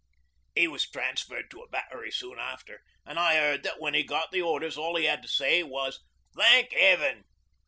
''E was transferred to a battery soon after an' I 'eard that when he got the orders all 'e 'ad to say was, "Thank 'Eaven.